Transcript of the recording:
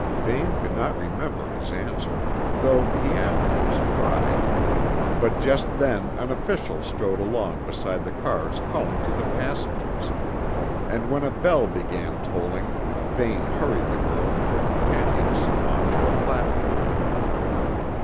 Vane could not remember his answer, though he afterwards tried; but just then an official strode along beside the cars calling to the passengers, and when a bell began tolling Vane hurried the girl and her companions on to a platform.